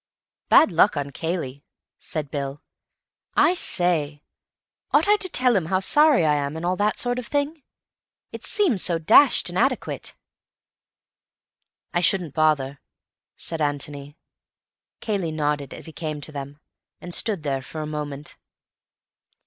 "Bad luck on Cayley," said Bill. "I say, ought I to tell him how sorry I am and all that sort of thing? It seems so dashed inadequate." "I shouldn't bother," said Antony. Cayley nodded as he came to them, and stood there for a moment.